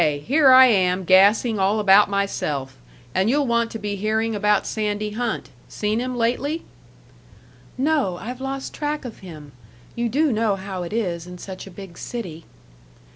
Here I am gassing all about myself, and you'll want to be hearing about Sandy Hunt. Seen him lately?" "No, I've lost track of him you do know how it is in such a big city."